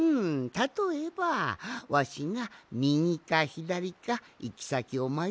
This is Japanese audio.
たとえばわしがみぎかひだりかいきさきをまよったとする。